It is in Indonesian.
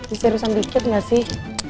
ini seriusan dikit ga sih